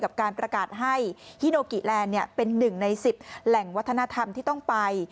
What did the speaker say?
กับการประกาศให้ฮิโนกิแลนด์เป็น๑ใน๑๐แหล่งวัฒนธรรมที่ต้องไป